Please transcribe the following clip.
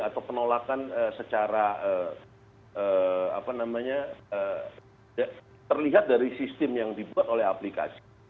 atau penolakan secara terlihat dari sistem yang dibuat oleh aplikasi